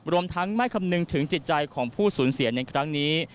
รวมทั้งไม่คำนึงถึงจิตใจของผู้สูญเสียในครั้งนี้